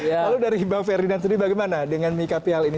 kalau dari bang ferdinand sendiri bagaimana dengan menyikapi hal ini